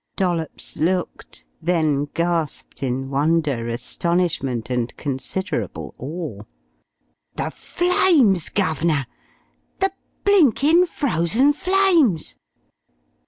Dollops looked; then gasped in wonder, astonishment, and considerable awe. "The Flames, guv'nor the blinkin' Frozen Flames!"